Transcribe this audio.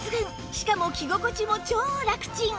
しかも着心地も超ラクチン